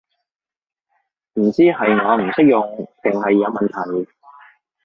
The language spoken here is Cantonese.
唔知係我唔識用定係有問題